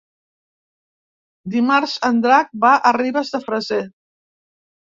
Dimarts en Drac va a Ribes de Freser.